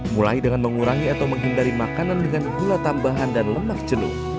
mulai dengan mengurangi atau menghindari makanan dengan gula tambahan dan lemak jenuh